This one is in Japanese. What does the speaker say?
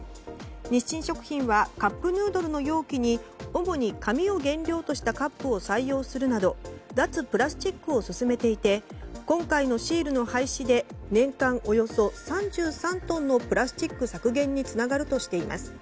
日清食品はカップヌードルの容器に主に紙を原料としたカップを採用するなど脱プラスチックを進めていて今回のシールの廃止で年間およそ３３トンのプラスチック削減につながるとしています。